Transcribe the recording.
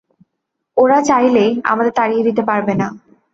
ওরা চাইলেই, আমাদের তাড়িয়ে দিতে পারে না।